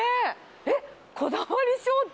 えっ、こだわり商店？